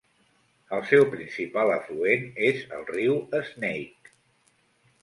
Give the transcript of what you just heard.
El seu principal afluent és el riu Snake.